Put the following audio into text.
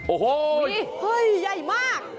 โอ้โหเฮ้ยใหญ่มาก